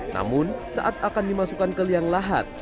namun saat akan dimasukkan ke liang lahat